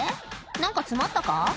なんか詰まったか？